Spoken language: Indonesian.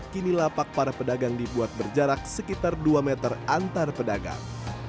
kini lapak para pedagang dibuat berjarak sekitar dua meter antar pedagang